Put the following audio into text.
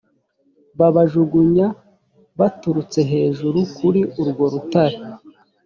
babajugunya baturutse hejuru kuri urwo rutare